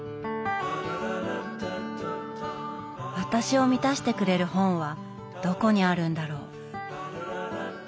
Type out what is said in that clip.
私を満たしてくれる本はどこにあるんだろう。